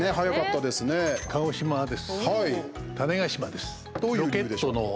鹿児島です。